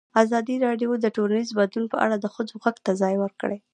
ازادي راډیو د ټولنیز بدلون په اړه د ښځو غږ ته ځای ورکړی.